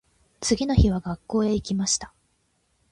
次の日は学校へ行きました。